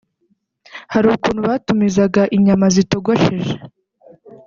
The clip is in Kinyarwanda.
Hari ukuntu batumizaga inyama zitogosheje